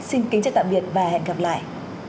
xin kính chào tạm biệt và hẹn gặp lại